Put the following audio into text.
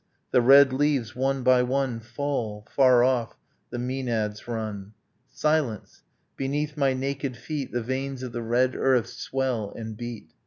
. the red leaves, one by one, Fall. Far off, the maenads run. Silence. Beneath my naked feet The veins of the red earth swell and beat.